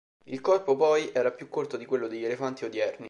Il corpo, poi, era più corto di quello degli elefanti odierni.